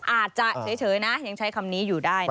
อาจจะเฉยนะยังใช้คำนี้อยู่ได้